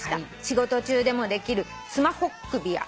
「仕事中でもできるスマホっ首や」